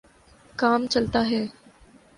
کام چلتا ہے۔